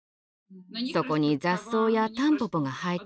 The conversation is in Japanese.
そこに雑草やタンポポが生えていました。